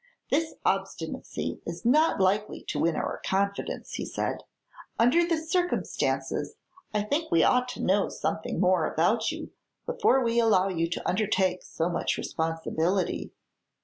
"This obstinacy is not likely to win our confidence," he said. "Under the circumstances I think we ought to know something more about you, before we allow you to undertake so much responsibility.